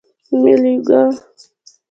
میلوگان